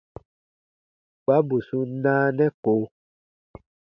Kpa bù sun naanɛ ko.